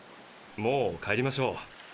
もう帰りましょう。